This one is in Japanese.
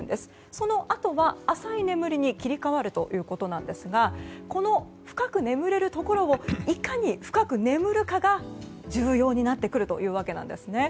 そのあとは、浅い眠りに切り替わるということなんですがこの深く眠れるところをいかに深く眠るかが重要になってくるというわけなんですね。